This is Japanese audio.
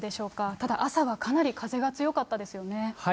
ただ、朝はかなり風が強かったですよね。